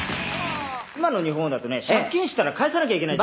今の日本だとね借金したら返さなきゃいけない。